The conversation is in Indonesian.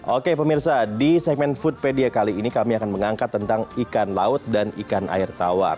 oke pemirsa di segmen foodpedia kali ini kami akan mengangkat tentang ikan laut dan ikan air tawar